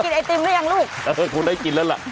ไอติมหรือยังลูกเออคงได้กินแล้วล่ะ